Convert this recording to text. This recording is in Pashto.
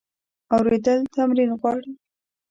اورېدل تمرین غواړي.